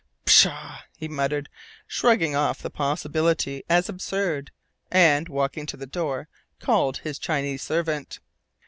"Pshaw!" he muttered, shrugging off the possibility as absurd, and, walking to the door, called his Chinese servant.